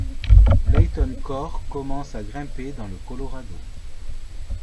Layton Kor commence à grimper dans le Colorado.